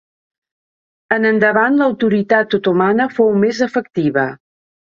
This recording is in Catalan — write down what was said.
En endavant l'autoritat otomana fou més efectiva.